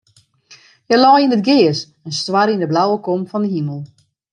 Hja lei yn it gers en stoarre yn de blauwe kom fan de himel.